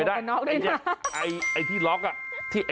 อย่าลืมสมบัติกับน้องด้วยนะ